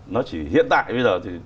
nó chỉ hiện tại bây giờ